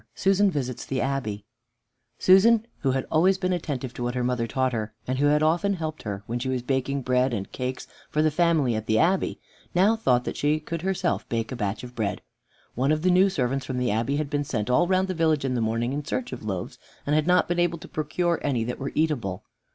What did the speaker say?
IV SUSAN VISITS THE ABBEY Susan, who had always been attentive to what her mother taught her, and who had often helped her when she was baking bread and cakes for the family at the Abbey, now thought that she could herself bake a batch of bread. One of the new servants from the Abbey had been sent all round the village in the morning in search of loaves, and had not been able to procure any that were eatable.